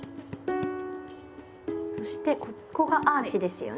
そしてここがアーチですよね？